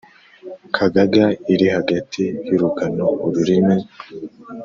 Kagaga iri hagati y'urugano-Ururimi.